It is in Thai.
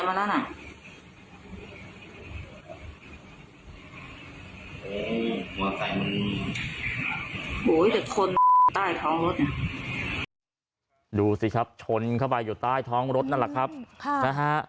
โอ้ยแต่คนได้ท้องรถดูสิครับชนเข้าไปอยู่ใต้ท้องรถนั่นละครับค่ะ